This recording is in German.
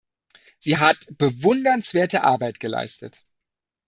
Sie hat bewundernswerte Arbeit geleistet.